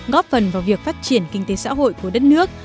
góp phần vào việc phát triển kinh tế xã hội của đất nước